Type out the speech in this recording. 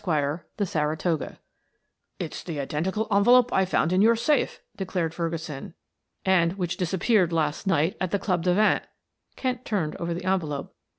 THE SARATOGA "It's the identical envelope I found in your safe," declared Ferguson. "And which disappeared last night at the Club de Vingt." Kent turned over the envelope.